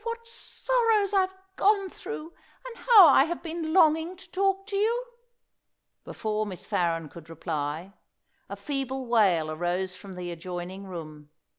what sorrows I've gone through, and how I have been longing to talk to you!" Before Miss Farren could reply, a feeble wail arose from the adjoining room.